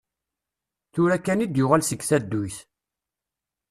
Tura kan i d-yuɣal seg tadduyt.